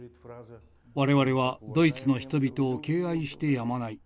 「我々はドイツの人々を敬愛してやまない。